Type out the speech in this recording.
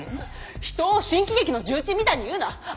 人を新喜劇の重鎮みたいに言うな！